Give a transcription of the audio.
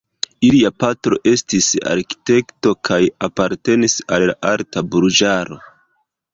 Ilia patro estis arkitekto kaj apartenis al la alta burĝaro.